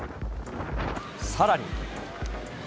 さらに。